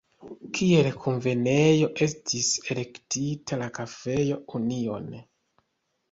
Kiel kunvenejo estis elektita la kafejo „Union“.